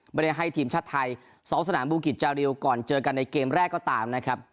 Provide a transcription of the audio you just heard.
ไม่ได้ให้ทีมชาติไทยซ้อมสนามบูกิจจาริวก่อนเจอกันในเกมแรกก็ตามนะครับ